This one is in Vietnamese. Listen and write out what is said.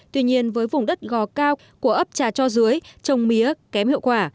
tuy nhiên với vùng đất gò cao của ấp trà cho dưới trồng mía kém hiệu quả